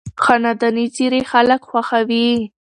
خندانې څېرې خلک خوښوي.